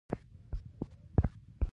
تاسو څومره غواړئ؟